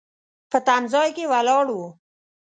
په تم ځای کې ولاړ و.